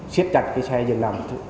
ship chặt cái xe dừng nằm